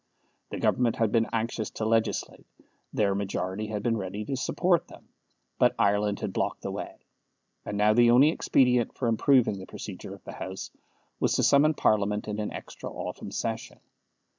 The Government had been anxious to legislate, their majority had been ready to support them, but Ireland had blocked the way; and now the only expedient for improving the procedure of the House was to summon Parliament in an extra autumn session.